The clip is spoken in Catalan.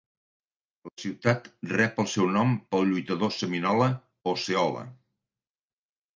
La ciutat rep el seu nom pel lluitador seminola Osceola.